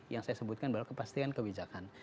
yang saya sebutkan bahwa kepastian kebijakan